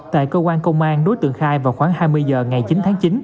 tại cơ quan công an đối tượng khai vào khoảng hai mươi h ngày chín tháng chín